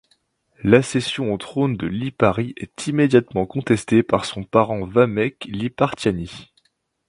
L'accession au trône de Liparit est immédiatement contestée par son parent Vameq Lipartiani.